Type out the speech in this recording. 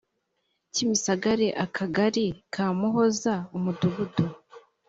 kimisagara akagali kamuhoza umudugudu